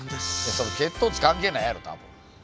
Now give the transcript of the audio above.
それ血糖値関係ないやろ多分。